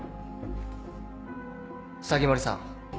鷺森さん。